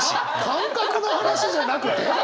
感覚の話じゃなくて？